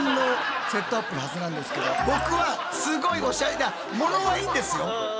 僕はすごいオシャレだものはいいんですよ。